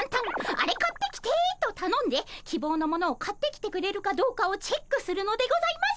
「アレ買ってきて」とたのんできぼうのものを買ってきてくれるかどうかをチェックするのでございます。